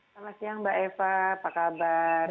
selamat siang mbak eva apa kabar